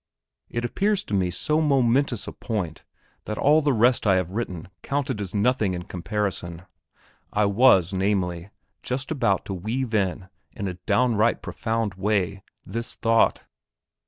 It appears to me so momentous a point, that all the rest I have written counted as nothing in comparison. I was, namely, just about to weave in, in a downright profound way, this thought.